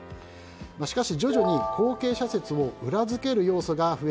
しかし、徐々に後継者説を裏付ける要素が増え